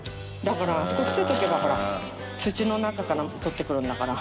世あそこ伏せとけばほら土の中から採ってくるんだから。